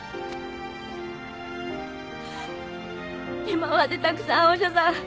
今までたくさんお医者さん